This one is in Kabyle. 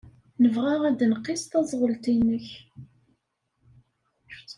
Nebɣa ad nqiss taẓɣelt-nnek.